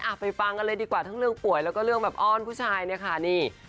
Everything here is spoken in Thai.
ไปฟังกันเลยดีกว่าทั้งเรื่องป่วยแล้วก็เรื่องแบบอ้อนผู้ชายเนี่ยค่ะนี่